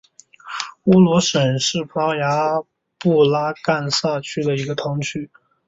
乌罗什是葡萄牙布拉干萨区的一个堂区。